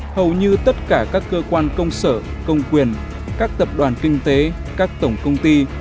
hầu như tất cả các cơ quan công sở công quyền các tập đoàn kinh tế các tổng công ty